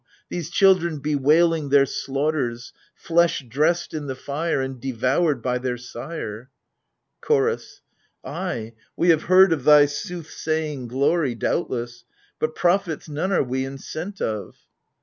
These children bewailing their slaughters — flesh dressed in the fire And devoured by their sire ! CHOROS. Ay, we have heard of thy soothsaying glory, Doubtless : but prophets none are we in scent of